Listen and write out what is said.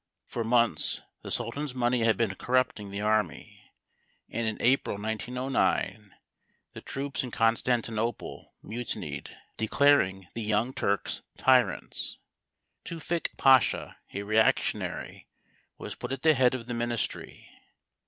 For months the Sultan's money had been corrupting the army, and in April, 1909, the troops in Constantinople mutinied, declaring the Young Turks tyrants. Tewfik Pasha, a reactionary, was put at the head of the ministry.